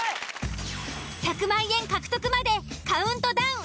１００万円獲得までカウントダウン